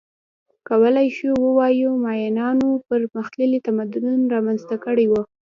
کولای شو ووایو مایایانو پرمختللی تمدن رامنځته کړی و